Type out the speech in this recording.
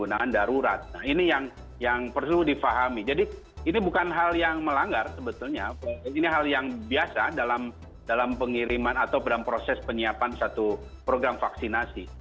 nah ini yang perlu difahami jadi ini bukan hal yang melanggar sebetulnya ini hal yang biasa dalam pengiriman atau dalam proses penyiapan satu program vaksinasi